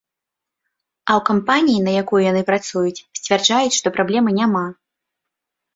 А ў кампаніі, на якую яны працуюць, сцвярджаюць, што праблемы няма.